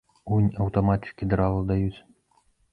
Унь аўтаматчыкі драла даюць.